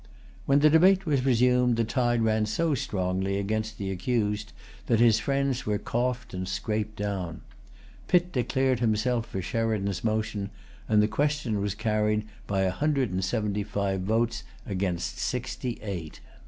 When the debate was resumed, the tide ran so strongly against the accused that his friends were coughed and scraped down. Pitt declared himself for Sheridan's motion; and the question was carried by a hundred and seventy five votes against sixty eight.